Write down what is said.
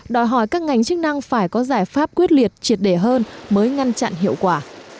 đòi hỏi các ngành chức năng phải có giải pháp quyết liệt triệt để hơn mới ngăn chặn hiệu quả